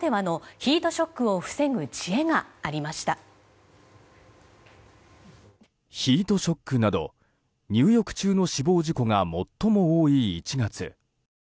ヒートショックなど入浴中の死亡事故が最も多い１月。